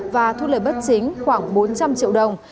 và thu lời bất chính khoảng bốn trăm linh triệu đồng